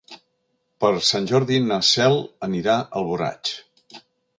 Per Sant Jordi na Cel anirà a Alboraig.